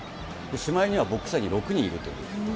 しまいにはボックスには６人いるという。